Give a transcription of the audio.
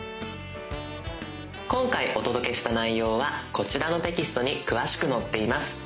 今回お届けした内容はこちらのテキストに詳しく載っています。